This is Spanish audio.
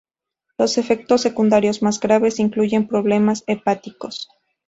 Los efectos secundarios más graves incluyen problemas hepáticos.